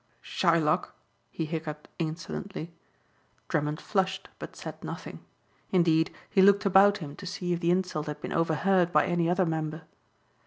"Shylock!" he hiccoughed insolently. Drummond flushed but said nothing. Indeed he looked about him to see if the insult had been overheard by any other member.